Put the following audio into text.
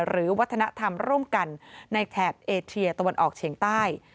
หรือวัฒนธรรมร่วมกันในแถบเอเชียตะวันออกเฉียงใต้